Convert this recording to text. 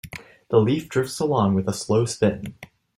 The leaf drifts along with a slow spin.